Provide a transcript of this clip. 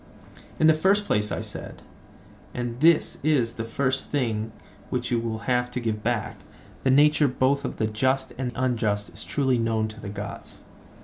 In the first place, I said—and this is the first thing which you will have to give back—the nature both of the just and unjust is truly known to the gods.